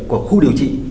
của khu điều trị